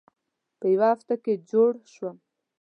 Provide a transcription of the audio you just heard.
په یوه هفته کې جوړ شوم.